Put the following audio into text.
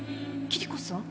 キリコさん？